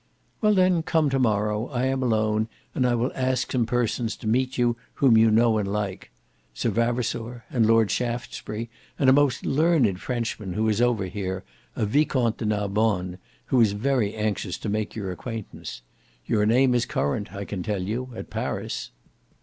"Well then come to morrow: I am alone, and I will ask some persons to meet you whom you know and like,—Sir Vavasour and Lord Shaftesbury and a most learned Frenchman who is over here—a Vicomte de Narbonne, who is very anxious to make your acquaintance. Your name is current I can tell you at Paris."